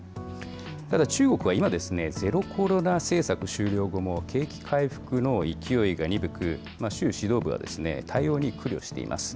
ただ中国は今、ゼロコロナ政策終了後も、景気回復の勢いが鈍く、習指導部は対応に苦慮しています。